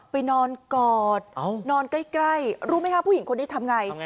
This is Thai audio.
ไปนอนกอดนอนใกล้รู้ไหมคะผู้หญิงคนนี้ทำไง